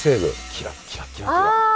キラッキラキラッキラ。